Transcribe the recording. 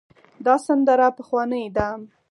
دا سندره پخوانۍ ده.